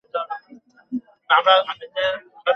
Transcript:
কিন্তু বুদ্ধি তোমার এখনও পরিপক্ক হয়নি।